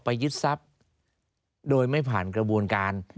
ยึดทรัพย์โดยไม่ผ่านกระบวนการ